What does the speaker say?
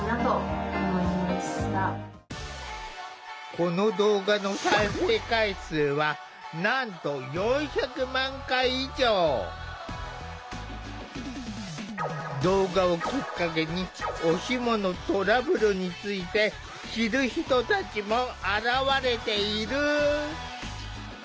この動画の再生回数はなんと動画をきっかけにおシモのトラブルについて知る人たちも現れている。